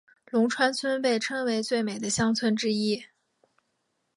龙川村被称为最美丽的乡村之一。